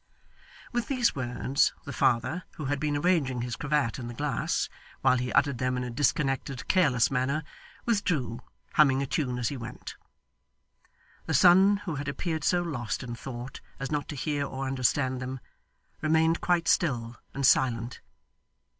With these words, the father, who had been arranging his cravat in the glass, while he uttered them in a disconnected careless manner, withdrew, humming a tune as he went. The son, who had appeared so lost in thought as not to hear or understand them, remained quite still and silent.